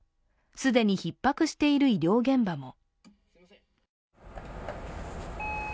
既にひっ迫している医療現場も。